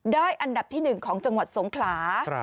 อันดับที่๑ของจังหวัดสงขลา